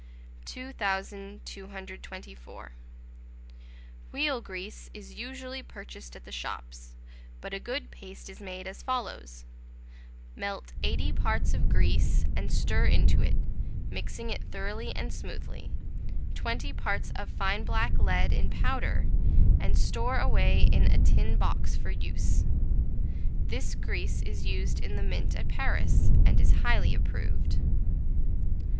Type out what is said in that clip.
2224. Wheel grease is usually purchased at the shops; but a good paste is made as follows: Melt 80 parts of grease, and stir into it, mixing it thoroughly and smoothly, 20 parts of fine black lead in powder, and store away in a tin box for use. This grease is used in the mint at Paris, and is highly approved.